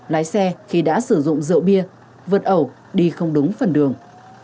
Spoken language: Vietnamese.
lái xe khi đã sử dụng rượu bia vượt ẩu đi không đúng phần đường